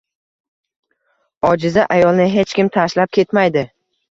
Ojiza ayolni hech kim tashlab ketmaydi.